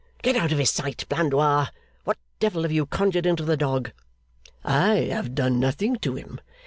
Get out of his sight, Blandois! What devil have you conjured into the dog?' 'I have done nothing to him.